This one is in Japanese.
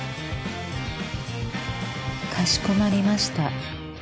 かしこまりました